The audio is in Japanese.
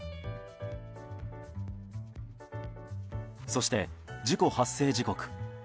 そして、事故発生時刻。